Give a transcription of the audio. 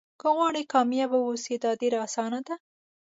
که غواړئ کامیابه واوسئ دا ډېره اسانه ده.